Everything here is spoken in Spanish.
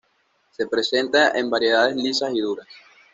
Se presenta en variedades lisas y duras.